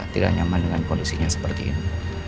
tidak nyaman dengan kondisinya seperti ini